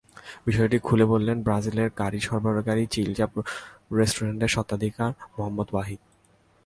বিষয়টি খুলে বললেন ব্রাজিলে কারি সরবরাহকারী চিলচা রেস্টুরেন্টের স্বত্বাধিকারী মোহাম্মদ ওয়াহিদ।